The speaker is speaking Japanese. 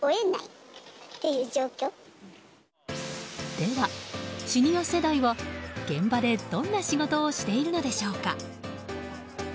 では、シニア世代は現場で、どんな仕事をしているのでしょうか。